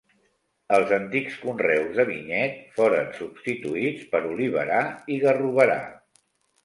Els antics conreus de vinyet foren substituïts per oliverar i garroverar.